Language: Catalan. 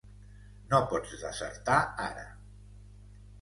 No pots desertar ara.